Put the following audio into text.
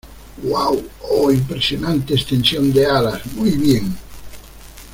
¡ Uau! Oh, impresionante extensión de alas. ¡ muy bien !